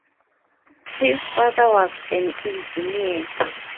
His father was an engineer.